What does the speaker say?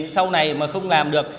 sau này mà không làm được